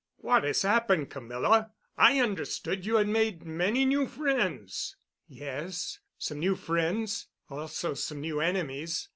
"What has happened, Camilla? I understood you had made many new friends." "Yes, some new friends—also, some new enemies.